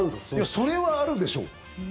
それはあるでしょ。